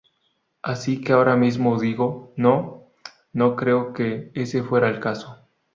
Así que ahora mismo digo, no, no creo que ese fuera el caso.